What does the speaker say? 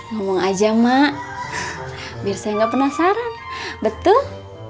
ngomong aja mak biar saya nggak penasaran betul